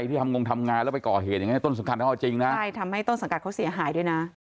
ทุกผู้ชมครับดูอีกมุมนึง